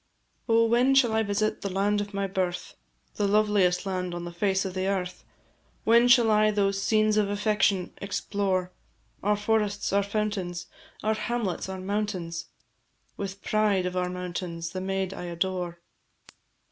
Oh, when shall I visit the land of my birth The loveliest land on the face of the earth? When shall I those scenes of affection explore, Our forests, our fountains, Our hamlets, our mountains, With pride of our mountains, the maid I adore?